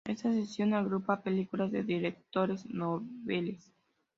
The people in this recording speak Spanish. Esta sección agrupa películas de directores noveles.